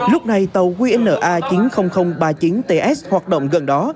lúc này tàu qna chín mươi nghìn ba mươi chín ts hoạt động gần đó